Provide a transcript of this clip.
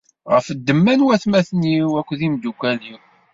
Ɣef ddemma n watmaten-iw akked yimeddukal-iw.